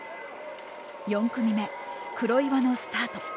４組目黒岩のスタート。